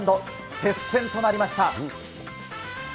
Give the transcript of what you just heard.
接戦となりました。